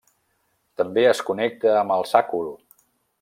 També es connecta amb el sàcul.